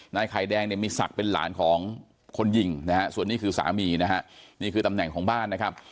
นายไข่แดงเนี่ยมีศักดิ์เป็นหลานของคนยิงนะฮะส่วนนี้คือสามีนะฮะนี่คือตำแหน่งของบ้านนะครับ